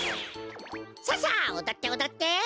ささっおどっておどって！